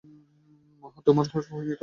মহা, তোমার কিছু হয়নি তো?